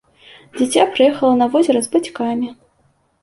Дзіця прыехала на возера з бацькамі.